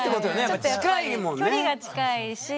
距離が近いし。